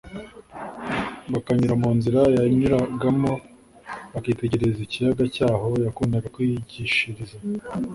bakanyura mu nzira yanyuragamo bakitegereza ikiyaga cy'aho yakundaga kwigishiriza,